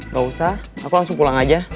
gak usah aku langsung pulang aja